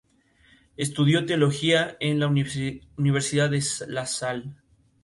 Estudió teología en la Universidad La Salle.